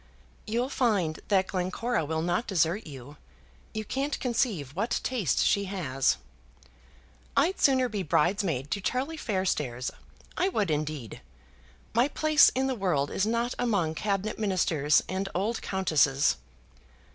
"You'll find that Glencora will not desert you. You can't conceive what taste she has." "I'd sooner be bridesmaid to Charlie Fairstairs. I would indeed. My place in the world is not among Cabinet Ministers and old countesses."